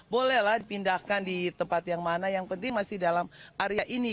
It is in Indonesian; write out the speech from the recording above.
bolehlah dipindahkan di tempat yang mana yang penting masih dalam area ini